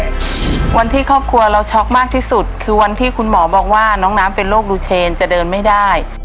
วันที่ครอบครัวเราช็อกมากที่สุดคือวันที่คุณหมอบอกว่าน้องน้ำเป็นโรคดูเชนจะเดินไม่ได้